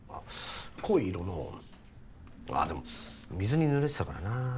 濃い色のああでも水に濡れてたからなあ